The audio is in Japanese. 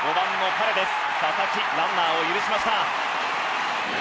佐々木ランナーを許しました。